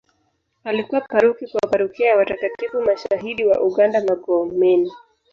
Alikuwa paroko wa parokia ya watakatifu mashahidi wa uganda Magomeni